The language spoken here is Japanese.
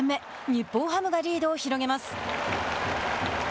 日本ハムがリードを広げます。